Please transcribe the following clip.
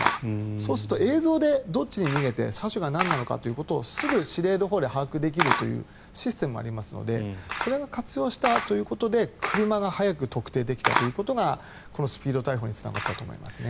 そうすると映像でどっちに逃げて車種が何かを指令のほうで把握できるシステムがありますのでそれを活用したということで車を早く特定できたことがこのスピード逮捕につながったと思いますね。